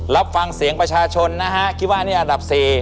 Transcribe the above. รับฟังเสียงประชาชนนะฮะคิดว่านี่อันดับ๔